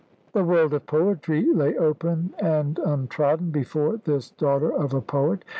The world of poetry lay open and untrodden before this daughter of a poet.